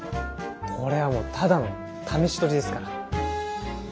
これはただの試し撮りですから。